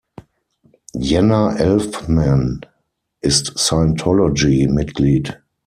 Jenna Elfman ist Scientology-Mitglied.